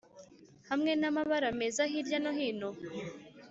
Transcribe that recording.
hamwe n'amabara meza hirya no hino?